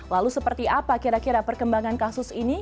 lalu seperti apa kira kira perkembangan kasus ini